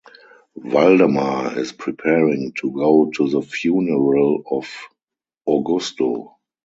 Valdemar is preparing to go to the funeral of Augusto.